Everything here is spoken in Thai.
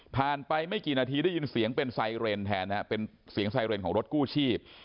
ไปไม่กี่นาทีได้ยินเสียงเป็นไซเรนแทนเป็นเสียงไซเรนของรถกู้ชีพ